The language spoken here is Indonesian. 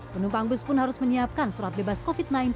penumpang bus pun harus menyiapkan surat bebas covid sembilan belas